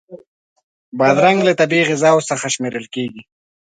بادرنګ له طبعی غذاوو څخه شمېرل کېږي.